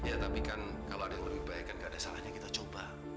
ya tapi kan kalau ada yang lebih baik kan gak ada salahnya kita coba